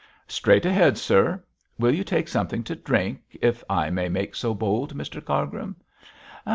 'Straight ahead, sir. Will you take something to drink, if I may make so bold, Mr Cargrim?'